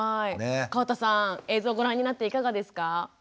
川田さん映像をご覧になっていかがですか？